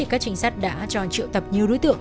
các trinh sát đã cho triệu tập nhiều đối tượng